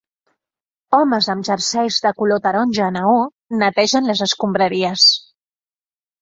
Homes amb jerseis de color taronja neó netegen les escombraries.